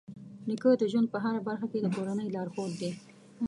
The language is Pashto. نیکه د ژوند په هره برخه کې د کورنۍ لارښود دی.